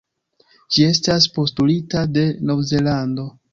Ĝi estas postulita de Novzelando.